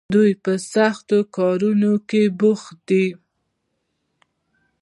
دوی په سختو کارونو کې بوخت دي.